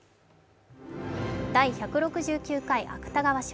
第１６９回芥川賞。